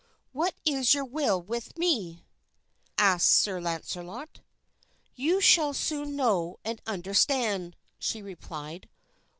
"What is your will with me?" asked Sir Launcelot. "You shall soon know and understand," she replied.